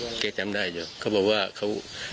คุณเจ็บจำได้แล้วเขาบอกว่าเค้า